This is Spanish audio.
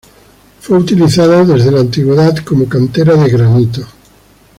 Fue utilizada, desde la antigüedad, como cantera de granito.